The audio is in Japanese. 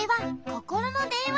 ココロのでんわ？